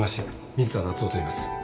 水田夏雄といいます